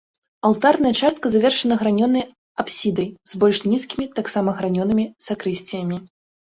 Алтарная частка завершана гранёнай апсідай, з больш нізкімі, таксама гранёнымі, сакрысціямі.